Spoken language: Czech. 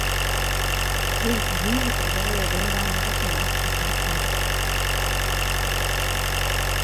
Zisk z jejího prodeje je věnován nadaci na výzkum tohoto onemocnění.